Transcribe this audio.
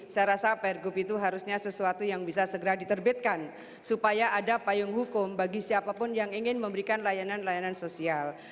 saya rasa pergub itu harusnya sesuatu yang bisa segera diterbitkan supaya ada payung hukum bagi siapapun yang ingin memberikan layanan layanan sosial